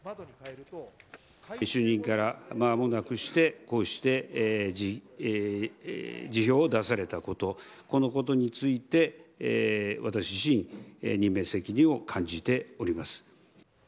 就任から間もなくして、こうして辞表を出されたこと、このことについて、私自身、任命責任を感じております。